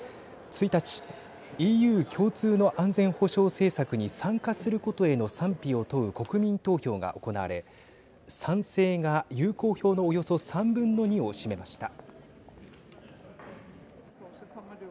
１日ＥＵ共通の安全保障政策に参加することへの賛否を問う国民投票が行われ賛成が有効票のおよそ３分の２を占めました。